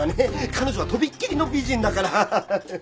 彼女は飛びっ切りの美人だから。